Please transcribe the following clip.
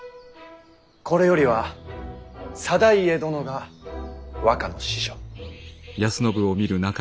これよりは定家殿が和歌の師匠。